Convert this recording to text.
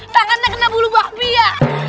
tak akan kena bulu babi ya